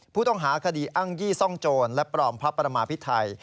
ผู้ต้องหาคดีอ้างยี่ซ่องโจรและปลอมพระประมาพิไทย